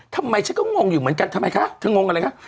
ทำไมฉันก็งงอยู่เหมือนกันทำไมคะเธองงอะไรคะ